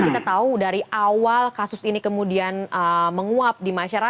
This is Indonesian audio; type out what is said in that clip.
kita tahu dari awal kasus ini kemudian menguap di masyarakat